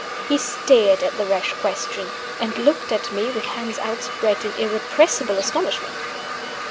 He started at the rash question, and looked at me with hands outspread in irrepressible astonishment.